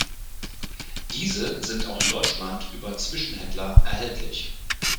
Diese sind auch in Deutschland über Zwischenhändler erhältlich.